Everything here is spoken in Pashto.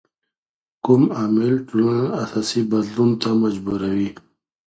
کوم عامل ټولنه اساسي بدلون ته مجبوروي؟